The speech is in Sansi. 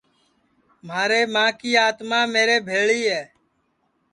مھارے ماں کی آتما میرے بھیݪی ہے